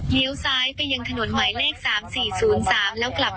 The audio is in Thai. เลี้ยวซ้ายไปยังขนวนไว้เลข๓๔๐๓แล้วกลับรถ